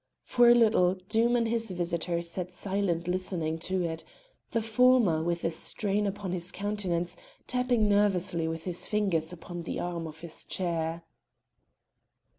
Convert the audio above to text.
For a little Doom and his visitor sat silent listening to it, the former, with a strain upon his countenance, tapping nervously with his fingers upon the arm of his chair.